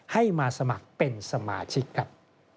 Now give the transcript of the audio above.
ให้มาสมัครเป็นสมาชิกครับ